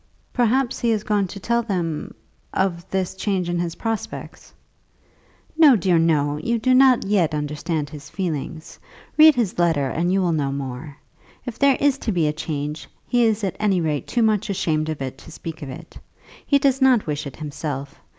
"Perhaps he has gone to tell them, of this change in his prospects." "No, dear, no; you do not yet understand his feelings. Read his letter, and you will know more. If there is to be a change, he is at any rate too much ashamed of it to speak of it. He does not wish it himself.